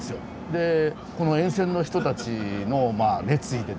でこの沿線の人たちの熱意でですね